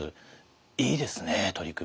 いいですね取り組み。